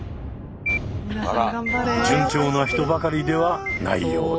順調な人ばかりではないようで。